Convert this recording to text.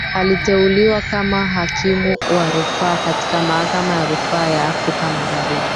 Aliteuliwa kama Hakimu wa Rufaa katika Mahakama ya Rufaa ya Afrika Magharibi